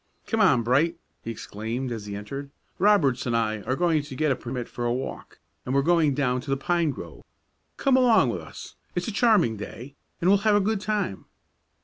"Come on, Bright!" he exclaimed, as he entered. "Roberts and I are going to get a permit for a walk, and we're going down to the pine grove. Come along with us; it's a charming day, and we'll have a good time."